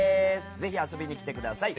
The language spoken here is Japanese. ぜひ遊びに来てください。